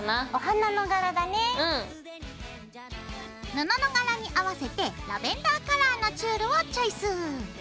布の柄に合わせてラベンダーカラーのチュールをチョイス。